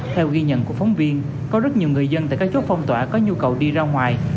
theo ghi nhận của phóng viên có rất nhiều người dân tại các chốt phong tỏa có nhu cầu đi ra ngoài